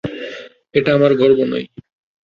এটা আমার গর্ব নয়।